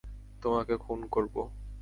তোমাকে খুন করবো।